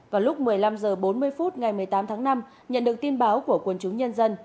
vào lúc một mươi năm h bốn mươi phút ngày một mươi tám tháng năm nhận được tin báo của quân chúng nhân dân